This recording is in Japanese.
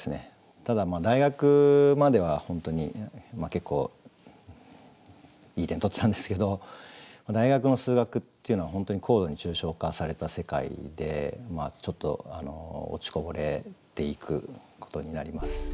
ただ大学までは本当に結構いい点取ってたんですけど大学の数学っていうのは本当に高度に抽象化された世界でちょっと落ちこぼれていくことになります。